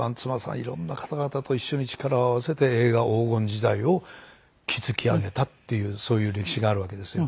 いろんな方々と一緒に力を合わせて映画黄金時代を築き上げたっていうそういう歴史があるわけですよ。